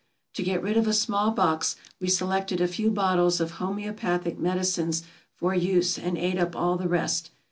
To get rid of a small box, we selected a few bottles of homeopathic medicines for use and ate up all the rest.